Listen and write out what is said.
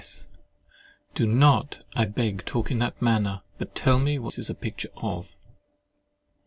S. Do not, I beg, talk in that manner, but tell me what this is a picture of.